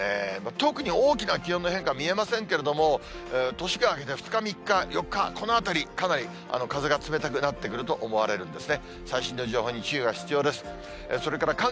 特に大きな気温の変化は見えませんけれども、年が明けて２日、３日、４日、このあたり、かなり風が冷たくなってくると思われるんですね。